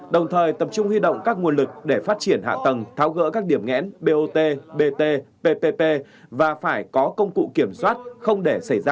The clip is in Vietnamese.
đồng thời tập trung huy động các nguồn lực để phát triển hạ tầng